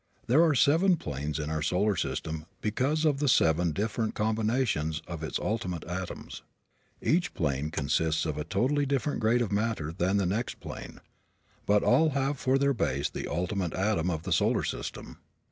There are seven planes in our solar system because of the seven different combinations of its ultimate atoms. Each plane consists of a totally different grade of matter than the next plane, but all have for their base the ultimate atom of the solar system.